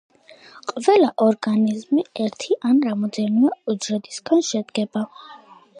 ყველა ორგანიზმი ერთი ან რამდენიმე უჯრედისგან შედგება.